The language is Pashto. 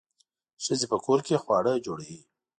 ښځې په کور کې خواړه جوړوي.